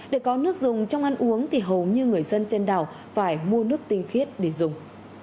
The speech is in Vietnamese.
để có nước dùng trong ăn uống thì hầu như người dân trên đảo phải mua nước tinh khiết để dùng